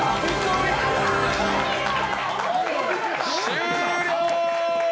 終了！